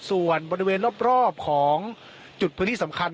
ส่วนบริเวณรอบของจุดพื้นที่สำคัญ